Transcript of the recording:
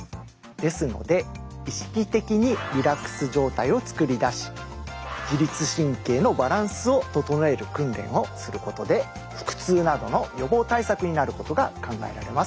ですので意識的にリラックス状態を作り出し自律神経のバランスを整える訓練をすることで腹痛などの予防対策になることが考えられます。